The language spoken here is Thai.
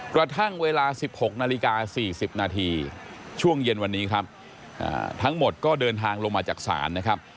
กระทั่งเวลา๑๖นาฬิกา๔๐นาทีช่วงเย็นวันนี้ครับทั้งหมดก็เดินทางลงมาจากศาลนะครับ